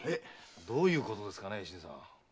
どういうことですかね？